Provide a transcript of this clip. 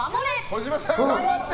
児嶋さん、頑張って！